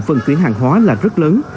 phần chuyển hàng hóa là rất lớn